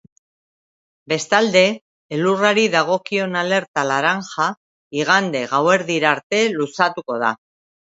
Bestalde, elurrari dagokion alerta laranja igande gauerdira arte luzatuko da.